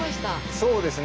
そうですね